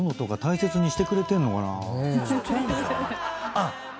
あっ！